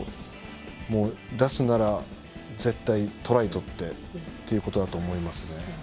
もう出すなら絶対にトライを取ってということだと思います。